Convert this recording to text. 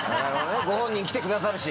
ご本人来てくださるし。